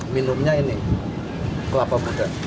minumnya ini kelapa budak